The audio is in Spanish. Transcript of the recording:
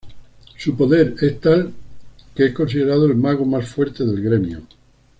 Su poder es tal que es considerado el mago más fuerte del gremio.